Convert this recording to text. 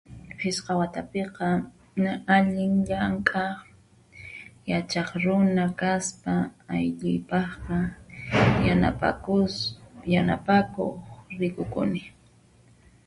Phisqa watapiqa (na) allin llank'aq, yachaq runa kaspa, aypipaqqa yanapakus yanapakuq rikukuni.